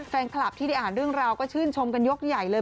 แฟนคลับที่ได้อ่านเรื่องราวก็ชื่นชมกันยกใหญ่เลย